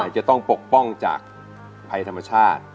จะต้องปกป้องจากภัยธรรมชาติ